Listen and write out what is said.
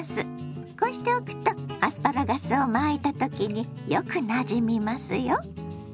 こうしておくとアスパラガスを巻いた時によくなじみますよ。